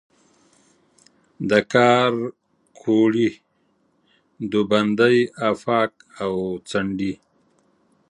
د کارکوړي، دوبندۍ آفاق او څنډي